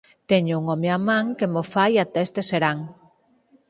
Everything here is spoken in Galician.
Teño un home á man que mo fai até este serán.